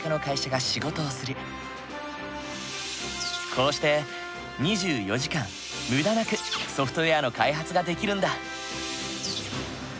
こうして２４時間無駄なくソフトウェアの開発ができるんだ。